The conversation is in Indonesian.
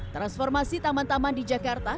transformasi taman taman di jakarta